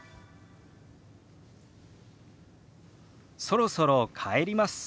「そろそろ帰ります」。